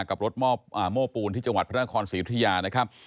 กับรถโม้ปูนที่จังหวัดพระนครศรีอุทยานะครับ